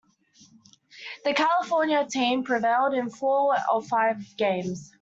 The California team prevailed in four of the five games.